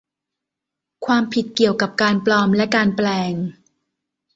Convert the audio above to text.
ความผิดเกี่ยวกับการปลอมและการแปลง